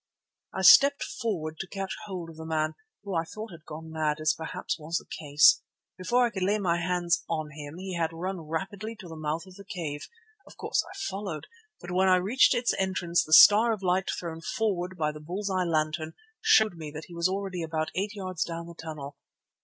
"I stepped forward to catch hold of the man, who I thought had gone mad, as perhaps was the case. Before I could lay my hands on him he had run rapidly to the mouth of the cave. Of course I followed, but when I reached its entrance the star of light thrown forward by the bull's eye lantern showed me that he was already about eight yards down the tunnel.